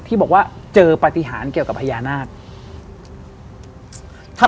ที่บอกว่าเจอปฏิหารเกี่ยวกับพญานาค